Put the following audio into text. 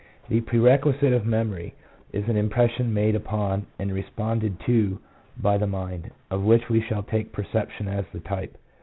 2 The prerequisite of memory is an impression made upon and responded to by the mind, of which we shall take perception as the type.